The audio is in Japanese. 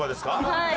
はい。